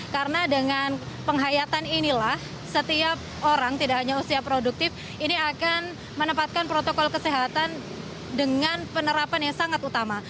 karena dengan penghayatan inilah setiap orang tidak hanya usia produktif ini akan menempatkan protokol kesehatan dengan penerapan yang sangat utama